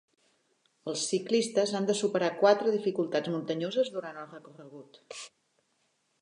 Els ciclistes han de superar quatre dificultats muntanyoses durant el recorregut.